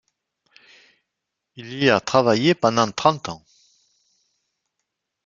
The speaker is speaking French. Il y a travaillé pendant trente ans.